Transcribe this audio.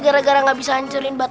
gara gara gak bisa hancurin